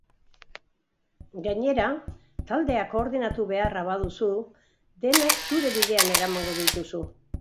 Gainera, taldeak koordinatu beharra baduzu, denak zure bidean eramango dituzu.